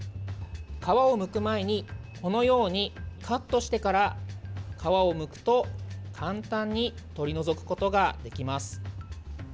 皮をむく前にこのようにカットしてから皮をむくと簡単に取り除くことができます。